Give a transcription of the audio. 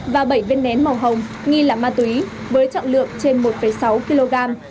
và bảy viên nén màu hồng nghi là ma túy với trọng lượng trên một sáu kg